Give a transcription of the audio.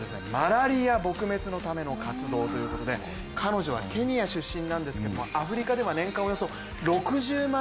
それがマラリア撲滅のための活動ということで彼女はケニア出身なんですけどアフリカでは年間およそ６０万